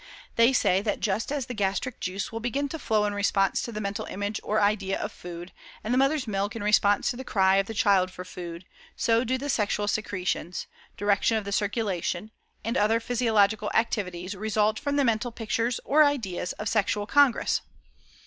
They say that just as the gastric juice will begin to flow in response to the mental image or idea of food, and the mother's milk in response to the cry of the child for food, so do the sexual secretions, direction of the circulation, and other physiological activities result from the mental pictures or idea of sexual congress.